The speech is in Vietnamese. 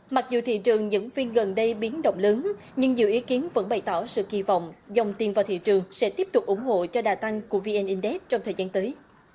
mặc dù thị trường dẫn viên gần đây biến động lớn nhưng nhiều ý kiến vẫn bày tỏ sự kỳ vọng dòng tiền vào thị trường sẽ tiếp tục ủng hộ cho đa tăng của vn index trong thời gian tới